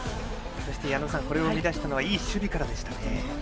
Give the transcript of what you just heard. そして矢野さんこれを生み出したのはいい守備からでしたね。